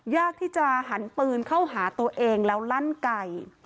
ยากที่จะหันปืนเข้าหาตัวเองแล้วลั่นไก่